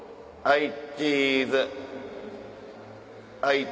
はいチーズ。